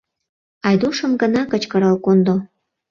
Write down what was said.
Айдушым гына кычкырал кондо.